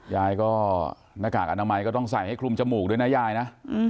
ยายก็หน้ากากอนามัยก็ต้องใส่ให้คลุมจมูกด้วยนะยายนะ